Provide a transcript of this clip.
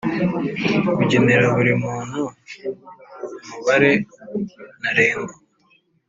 kugenera buri muntu umubare ntarengwa